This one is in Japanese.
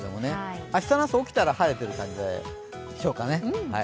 明日の朝、起きたら晴れてる感じでしょうかね。